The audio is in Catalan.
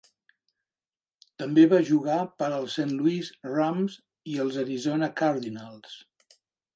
També va jugar per als Saint Louis Rams i els Arizona Cardinals.